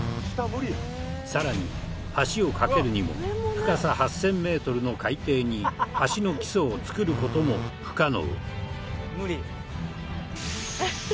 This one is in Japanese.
さらに橋を架けるにも深さ８０００メートルの海底に橋の基礎を造る事も不可能。